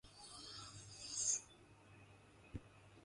If built, it would have become the world's tallest structure of its time.